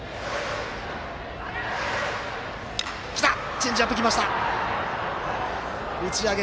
チェンジアップきました。